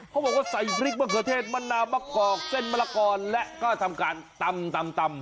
เขาบอกว่าใส่พริกประเทศมะนามะกอกเส้นมลากรและก็ทำการตำตำตำ